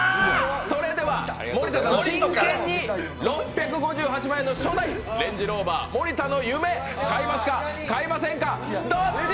それでは森田さん、真剣に６８０万円の初代レンジローバー森田の夢、買いますか、買いませんかどっち？